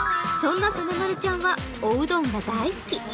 なまるちゃんはおうどんが大好き。